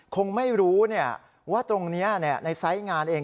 คงไม่รู้ว่าตรงนี้ในไซส์งานเอง